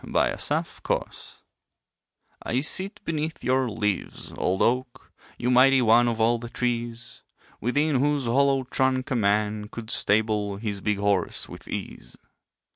THE OLD OAK TREE I sit beneath your leaves, old oak, You mighty one of all the trees; Within whose hollow trunk a man Could stable his big horse with ease.